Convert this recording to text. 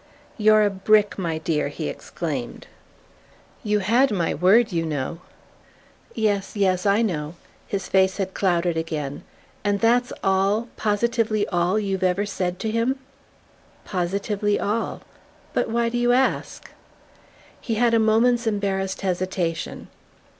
"You're a brick, my dear!" he exclaimed. "You had my word, you know." "Yes; yes I know." His face had clouded again. "And that's all positively all you've ever said to him?" "Positively all. But why do you ask?" He had a moment's embarrassed hesitation.